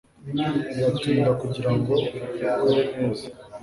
Biratinda kugirango ikore neza